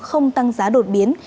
không tăng giá đột biến